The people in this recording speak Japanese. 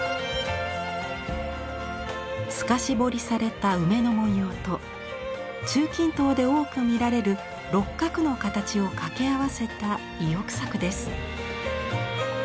透かし彫りされた梅の文様と中近東で多く見られる六角の形をかけ合わせた意欲作です。